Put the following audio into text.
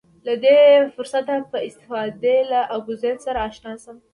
له دې فرصته په استفادې له ابوزید سره اشنا شم.